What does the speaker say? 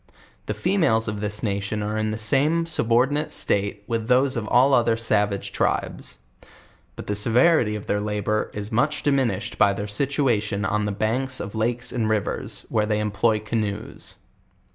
The females of this nation are in the same subordinate state with those of ail oth er savage tribes; but the severity of their labor is much di minished by their situation on the banks of lakes and rivers, where they employ canoes.